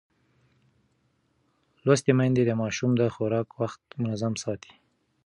لوستې میندې د ماشوم د خوراک وخت منظم ساتي.